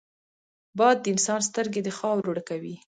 باد د انسان سترګې د خاورو ډکوي